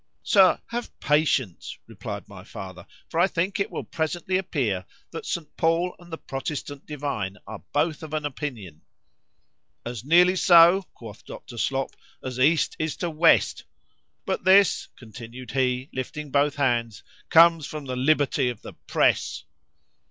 Sir, have patience, replied my father, for I think it will presently appear that St. Paul and the Protestant divine are both of an opinion.—As nearly so, quoth Dr. Slop, as east is to west;—but this, continued he, lifting both hands, comes from the liberty of the press.